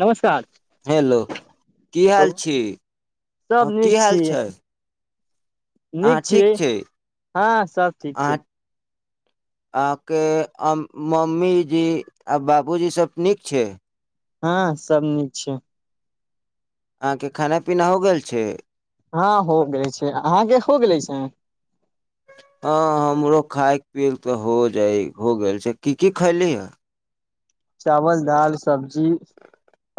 नमस्कार हेलो की हेलो हाल छी ह सब नीक की हाल छियै छै नीक अहाँ ठीक छियै छै हँ सब ठीक छै आहाँ के मम्मीजी आ बाबूजी सब नीक छै हँ सब नीक छै अहाँके खाना पीना हो गेल छै हँ हो गेल छै अहाँके हो गेले छै हँ हमरो खायक पियैल तऽ हो जाइ हो गेल छै की की खयलीहे चावल दाल सब्जी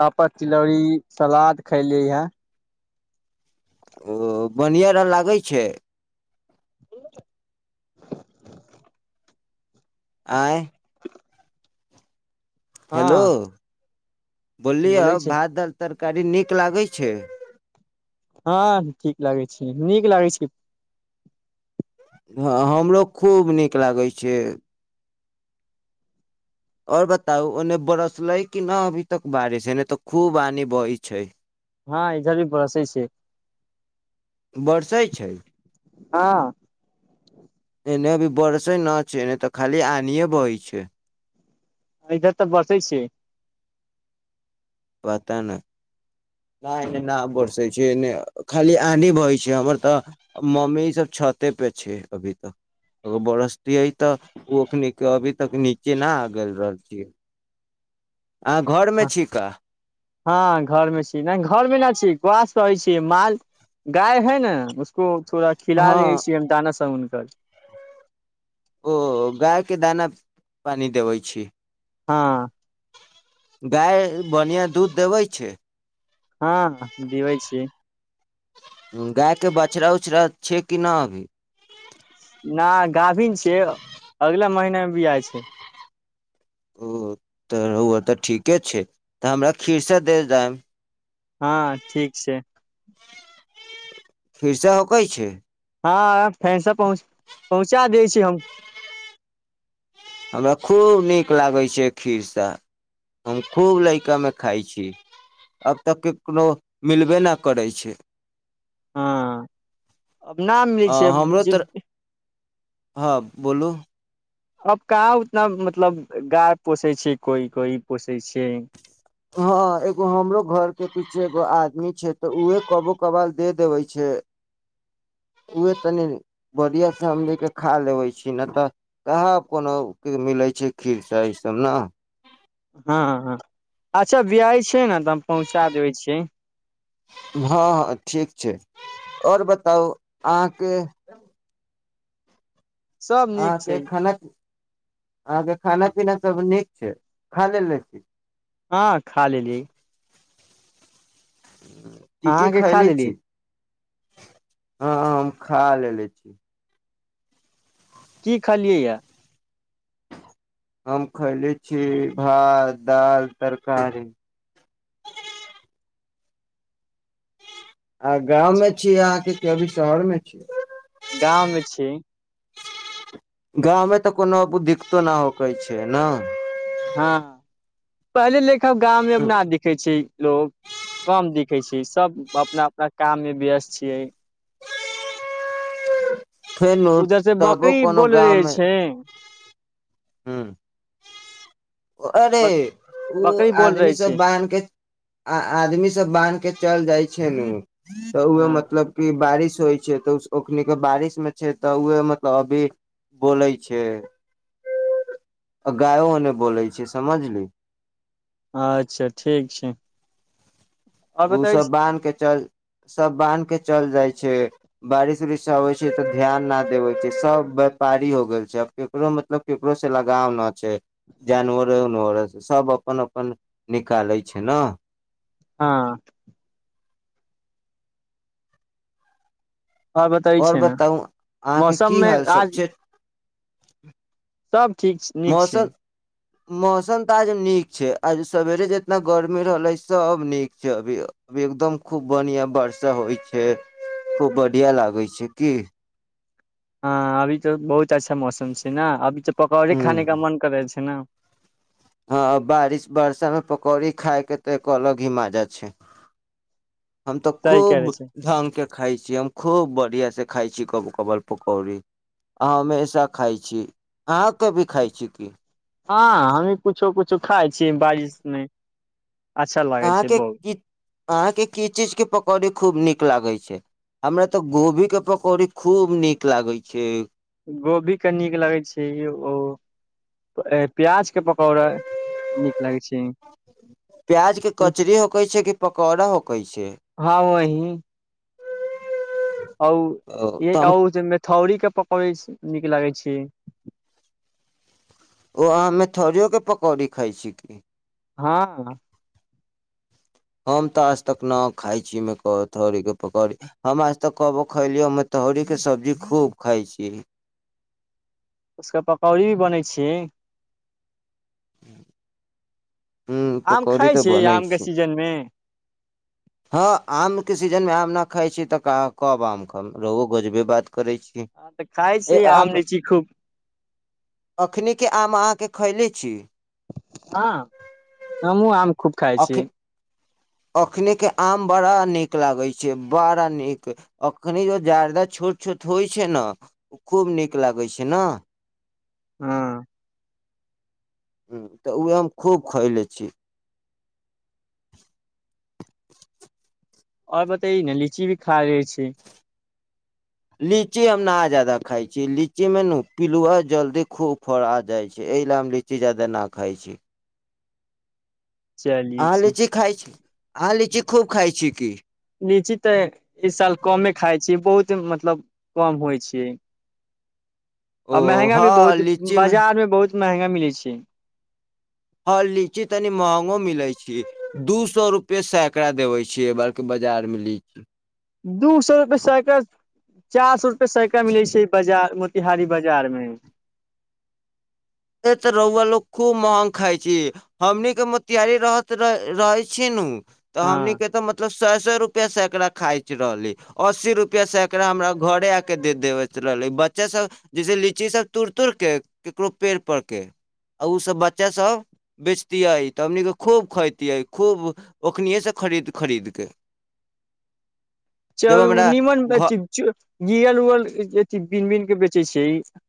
पापड़ तिलौरी सलाद खयलियै हे ओ बढ़िआँ रह लागै छै ह आंय हेलो हँ बोलियए बोलै छी भात दल तरक गाड़ी नीक लागै छै हँ ठीक लागै छी नीक लागै छी हँ हमरो खूब नीक लागै छै आओर बताउ ओन्ने बरसलै कि न अभी तक बारिश एने तऽ खूब पानि बहय छै हँ इधर भी बरसै छै बरसै छै हँ एने अभी बरसे न छै नहि तऽ खाली आनिए बहय छै एय जग तऽ बरसे छै पता ने ना एने ना बरसै छै एने खाली आनी बहै छै हमर तऽ मम्मी सभ छते पे छै अभी तऽ अगर बरसतै तऽ ओखनी के अभी तक नीचे ना आ गेल रहतियै अहाँ घरमे छी का हँ घर मे छी नहि घर मे ना छी घास करै छी माल गाय है ने को थोड़ा खिला हँ दै‌ छिय हम दाना सने त ओ गाय के दाना पानि देबै छी हँ गाय बढ़िआँ दूध देबै छै हँ दिबै छीय गायके बछड़ा उछड़ा छै कि ना अभी ना गाभीन छियै अगला महीना मे बिआइ छै ओ तऽ रहू तऽ ठीके छै तऽ हमरा खीरसा दे जाएब हँ ठीक छै खिरसा होकै छै हँ खीरसा पहुँ पहुँचा दै छी हम हमरा खूब नीक लागै छै खीरसा हम खूब लइकामे खाइ छी आब त केकनो मिलबे नहि करै छै हँ अब न मिलै आ छै हमरो जे तर हँ बोलू अब कहाँ उतना मतलब गाय पोसै छै कोइ कोइ पोसै छै हँ एगो हमरो घरके पीछे एगो आदमी छै तऽ उहे कबो कबाल दे देबै छै उहे तनि बढ़िआँ से हमनि के खा लेबै छी नहि तऽ कहा कोनो मिलैत छै खीरसा ई सभ ने हँ हँ हँ अच्छा बियाइ छै ने तऽ हम पहुँचा देबै छी हँ हँ ठीक छै आओर बताउ अहाँके सब नीक आहाँ के छै खाना अहाँके खाना पीना सब नीक छै खा लेल लै छी। हँ खा लेल लिय। ई की अहाँके खा खैले छी। लेलियै हँ हम खा लेले छी। की खलियै यए। हम खयले छी भात, दाइल, तरकारी। आ गाँम में म छीयै अहाँके की अभी शहरमे छीयै। गाम में मे छी। गाँवमे तऽ कोनो दिक्कतो नहि होकै छै न। हँ पहले ल आब गाम में ना दिखे छै लोग कम दि। कि सी सब अपना अपना काम मे व्यस्त छियै। फेनु उधरसे तबो बकरी बोल रहे छै। हुं। अरे बक, ओ बकरी बोल आदमी रहे छै सब बान्ह के। आ आदमी सब बान्हके चल जाइ छै ने। तऽ ओह हँ मतलब की बारिश। होइ छै तऽ ओखन के बारिश। से तऽ उह मतलब अभी बोलै छै गायोने बोलै छै समझली। अच्छा ठीक छै। आओर बतै ओसभ छै बान्हके चल। सभ बान्हि कऽ चलि जाइ छै बारिश -उरिशसँ अबै छै तऽ ध्यान नहि देबै छै सभ व्यापारी हो गेल छै आब ककरो मतलब ककरोसँ लगाव नहि छै जानवरे उनवरसँ सभ अपन अपन निकालै छै न। हँऽ। हँ बतै आओर छै ने बताउ अहाँके की मौसममे हाल सब आज। छै सब ठीक नीक छै। मौसम मौसम तऽ आज नीक छै आज सवेरे जितना गर्मी रहलै सभ नीक छै अभी अभी एकदम खूब बढ़िआँ वर्षा होइ छै खूब बढ़िआँ लागै छै की। हँ अभी तऽ बहुत अच्छा मौसम छै ने अभी तऽ। पकौड़ी खाने ह का मन करै छै न। हँ बारिश बरषा मे पकौड़ी खाायके तऽ एको अलग ही माजा छै हम तऽ सही कह रहे खूब छै ढंग के खाय छी हम खूब बढ़िया से। खाइ छी कभु कभार पकौड़ी अह हमेशा खाइ छी, अहाँ कभु खाइ छी की। हँ हमहूं कुछो -कुछो खाय छीयै बारिश में। अहाँके की अहाँके की चीजके पकौड़ी खूब नीक लागै छै। हमरा तऽ गोभी के पकौड़ी खूब नीक लागै छै। गोभी के नीक लगै छै ओ प्याज के पकौड़ा नीक लगै छै। प्याज के कचरी होकै छै कि पकौड़ा होकै छै। हौ ओ, ए तऽ हम और जे मेथौरी के पकौड़ी नीक लागे छै। ओ अहाँ मेथौरियो के पकौड़ी खाइ छीयै की। हाँह हम तऽ आजतक नहि खाइ छी मेथौरीके पकौड़ी हम आजतक कबहु खेलियै मेथौरीके सब्जी खूब खाइ छी। उसका पकौड़ी भी बनै छै। ह्म आम खाइ छियै आम के छै सीजन में। हँ आमके सीजनमे आम न खाइ छी तऽ कब आम ख रहो गजबे बात। करै छी हँ तऽ खाइ छी आम एखनि लीची खूब के आम अहाँके। खैले छी। हँ हमु आम खूब खाय छी। अखनि के आम बड़ा नीक लागै छै बड़ा नीक अखनि जो जारदा छोट छोट होइ छै ने ओ खूब नीक लागै छै नऽ। हँ ह तऽ उएह हम खूब खयले छी। ओर बताइ न लीची भी खा रह रहल छै लीची हम न आ जात जादा खाइ छी लीचीमे ने पिलुआ जल्दी खूब फड़ा जाइ छै एहि लए हम लीची जादा नहि खाइ छी चलिय अहाँ छी लीची खाइ छी अहाँ लीची खूब खाइ छी की लीची तऽ इ साल कमे खाय छी बहुत मतलब कम होइ छै आ ओ महंगा भी हँ बहुत लीची बाजार मे बहुत महगा मिलै छै हँ लीची तनि महंगो मिलैत छै दू सए रुपए सैकड़ा देबै छियै एहि बड़क बाजारमे लीची दू सए रुपए सैकड़ा चार सए रुपए साइ का मिलै छै बाजार मोतिहारी बाजार मे ए तऽ रौआ लोग खूब महग खाय छै हमनीके मोतियारी रहत रहै छी नु तऽ हँ हमनि के तऽ मतलब सौ सौ रुपआ सैकड़ा खाय रहले अस्सी रुपआ सेकड़ा हमरा घरे आ के दे देव रहले बच्चा सब जैसे लीची सब तोड़ तोड़ के केकरो पेड़ परके आ ओसभ बच्चाभ बेचतियै तऽ हमने खूब खैतियै खूब ओखनिएसँ खरीद खरीदके चलु नीमन गियल उल अथ बीन बीन के बेचै छै से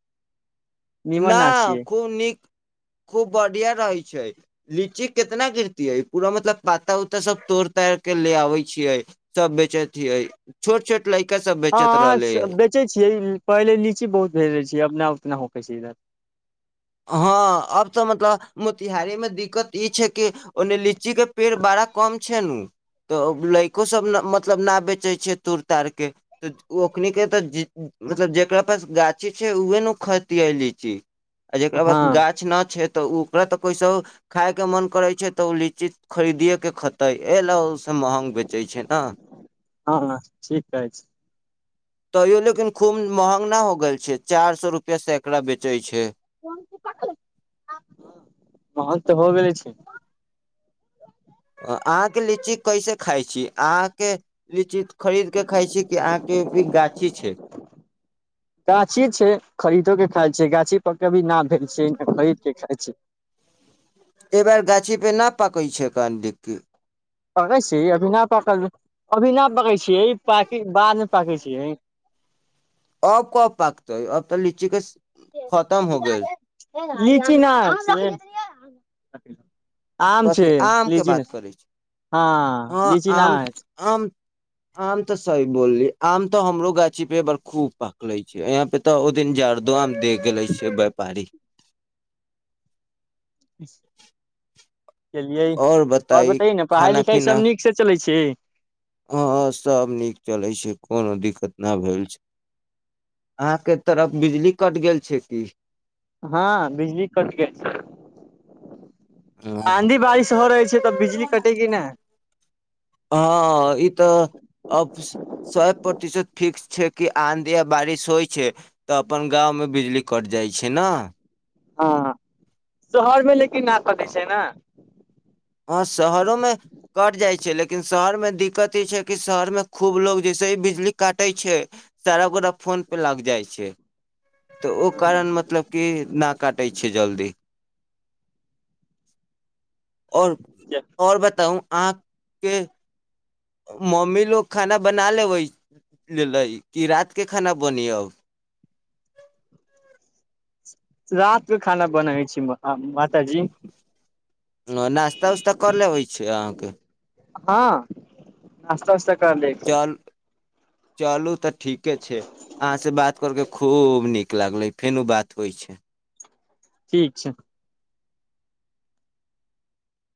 नहि खूब नीक खूब बढ़िआँ रहैत छै लीची केितना गिरती है पूरा मतलब पाता उता सब तोड़ ताड़ के ले आबे छियै सब बेचैत छियै छोट छोट लड़का सब बेचैत रहले हँ है बेचे छियै पहिले लीची बहुत भेज रहे छी अपना उतना हो कसी हँ अब तऽ मतलब मोतिहारी मे दिक्कत ई छै कि ओन्ने लीच ची के पेड़ बड़ा कम छै नु, त लैको सब मतलब ना बेचै छै तुड़ ताड़के त ओखनि के त मतलब जेकरा पास गाछी छै उहे ने खतियै लै छै। आ जेकरा बाद हँ गाछ न छै त ऊ वैह तो कहै छौ खााय के मन करे छै त ओ लीची खरीदिये के खेतै, ए लौस महग बेचै छै न हँ ठीक कहै छी तैयो लेकिन खुब महंग ना हो गेल छै, चार सौ रुपया सैकड़ा बेचै छै। महग त हो गेले छै। अहांके लीची कैसे खाइ छी अहांके लीची खरीद के खाय छियै कि अहांके भी गाछी छै। गाछी छै खरीदो के खाय छै गाछी पर कभी ना भेल छै, खरीद के खाइ छियै। एहि बेर गाछी पे न पाकै छै कनडिकी पकै छी अभी न पकल, अभी न पकै छियै, पाकै के बादमे पाकै छियै। अब कब पाकतै, अब त लीची के खतम हो गइल। लीची ना आनै छियै। आम कथि छै आम के लीची नै बात करै छी, हँ हं लीची न आम, आम, आम त सही बोललियै, आम त हमरो गाछी पर एहिबेर खुब पाकले छै, इहां पर ते ओहि दिन जारदो आम दे गेले छै वेपारी। बस केलियै, और बताइए न पढ़ाई लिखाई सब नीक से चलै छै। की हां और सब नीक चलै छै, कोनो दिक्कत ना भेल छै। अहांके तरफ बिजली कटि गेल छै कि हां बिजली कट गेल छै। हो रहै छै तऽ बिजली कटे कि नहि हां इ त अब शत प्रतिशत फिक्स छै कि आंधी आ बारिश होइ छै त अपन गांव में बिजली कट जाय छै। छि ना हां हां, तोहर मे लिक कि नाक कटै छै न। हां शहरोमे कटि जाइ छै लेकिन शहरमे दिकत इ छै कि शहरमे खुब लोक जैसे हि बिजली काटै छै सारा गोटा फोन पर लागि जाइ छै। त ओ कारण मतलब कि ना काटै छै जल्दी। और और बताउ अहां के मम्मी लोग खाना बना लेबै, लेलै कि रात के खाना बनी अब। रात के खाना बनबै छै माताजी। ना नास्ता उस्ता कर लेबै छै अहांके। हां नास्ता उस्ता कर लै छी। चल चलू तऽ ठीके छै अहाँसँ बात कर कऽ खूब नीक लागलै फेनो बात होइ छै ठीक छै